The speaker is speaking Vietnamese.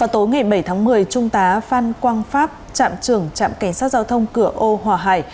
tối ngày bảy tháng một mươi trung tá phan quang pháp trạm trưởng trạm cảnh sát giao thông cửa âu hòa hải